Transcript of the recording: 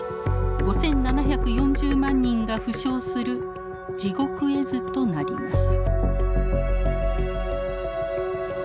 ５，７４０万人が負傷する地獄絵図となります。